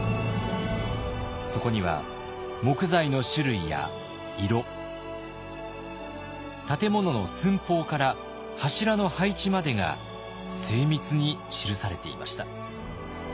そこには木材の種類や色建物の寸法から柱の配置までが精密に記されていました。